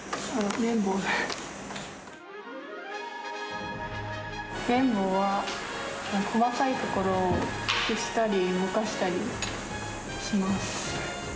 綿棒は細かい所を消したり、ぼかしたりします。